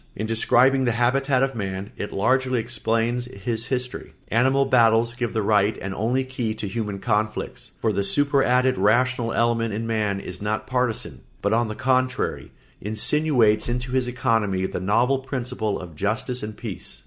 In describing the habitat of man it largely explains his history. Animal battles give the right and only key to human conflicts, for the superadded rational element in man is not partisan, but on the contrary insinuates into his economy the novel principle of justice and peace.